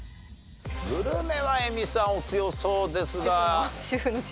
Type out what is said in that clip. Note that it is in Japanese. グルメは映美さんお強そうですが。